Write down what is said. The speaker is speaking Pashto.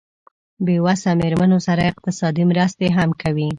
بې وسه مېرمنو سره اقتصادي مرستې هم کوي.